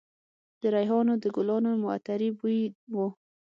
د ریحانو د ګلانو معطر بوی و